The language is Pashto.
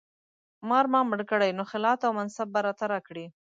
مار ما مړ کړی نو خلعت او منصب به راته راکړي.